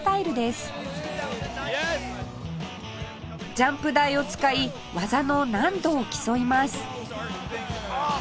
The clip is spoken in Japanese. ジャンプ台を使い技の難度を競います